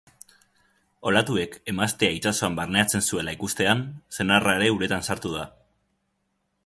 Olatuek emaztea itsasoan barneratzen zuela ikustean, senarra ere uretan sartu da.